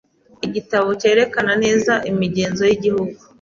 Igitabo cyerekana neza imigenzo yigihugu.